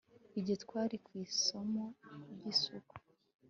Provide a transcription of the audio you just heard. igihe twari ku isomo ry'isuku